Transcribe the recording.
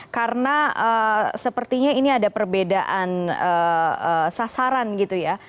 karena sepertinya ini ada perbedaan sasaran gitu ya